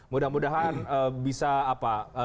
mudah mudahan bisa apa